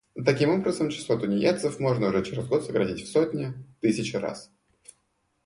Таким образом, число тунеядцев можно уже через год сократить в сотни, тысячи раз.